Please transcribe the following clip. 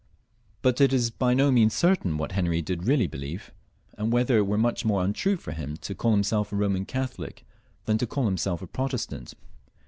But it is by no means certain what Henry did really believe, and whether it were much more untrue for him to call himself a Boman Catholic than to caU himself a Protestant.